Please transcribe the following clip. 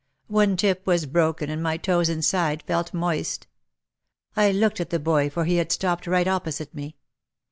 One tip was broken and my toes inside felt moist. I looked at the boy for he had stopped right opposite me.